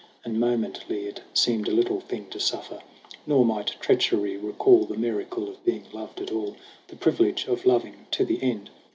And momently it seemed a little thing To suffer; nor might treachery recall The miracle of being loved at all, The privilege of loving to the end.